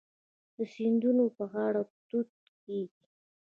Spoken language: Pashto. د سیندونو په غاړه توت کیږي.